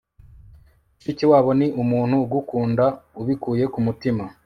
mushikiwabo ni umuntu ugukunda ubikuye ku mutima